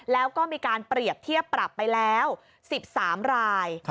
แล้วก็มีการเปรียบเทียบปรับไปแล้ว๑๓ราย